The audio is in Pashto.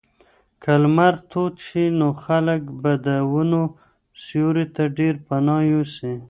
که لمر تود شي نو خلک به د ونو سیوري ته ډېر پناه یوسي.